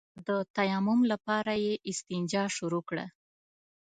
او د تيمم لپاره يې استنجا شروع کړه.